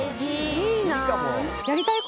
いいなあ。